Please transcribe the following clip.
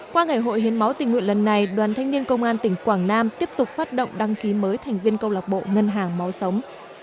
qua ngày hội hiến máu tình nguyện lần này đoàn thanh niên công an tỉnh quảng nam tiếp tục phát động đăng ký mới thành viên câu lạc bộ ngân hàng máu sống